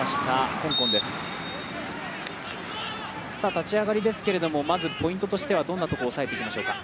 立ち上がりですけれども、ポイントとしてはどんなところを抑えていきましょうか。